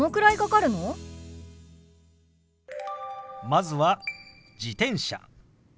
まずは「自転車」。